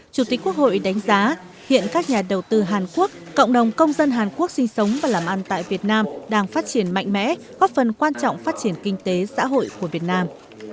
chủ tịch quốc hội đánh giá hiện các nhà đầu tư hàn quốc cộng đồng công dân hàn quốc sinh sống và làm ăn tại việt nam đang phát triển mạnh mẽ góp phần quan trọng phát triển kinh tế xã hội của việt nam